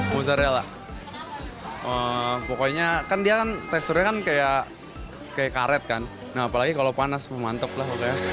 mozzarella pokoknya kan dia kan teksturnya kayak karet kan apalagi kalau panas memantuk lah